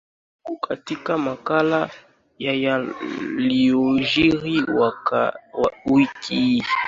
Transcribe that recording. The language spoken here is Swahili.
na karibu katika makala ya yaliojiri wiki hii